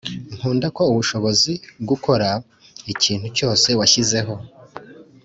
nkunda ko ushobora gukora ikintu cyose washyizeho